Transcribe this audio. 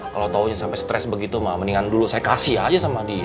kalo taunya sampe stress begitu mah mendingan dulu saya kasih aja sama dia